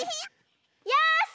よし！